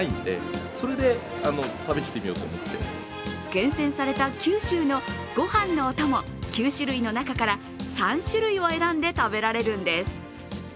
厳選された九州のご飯のお供９種類の中から３種類を選んで食べられるんです。